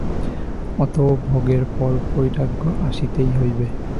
অত ভোগের পর বৈরাগ্য আসিতেই হইবে।